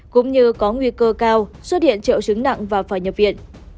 cũng như có nguy cơ cao xuất hiện triệu chứng nặng và phải nhập viện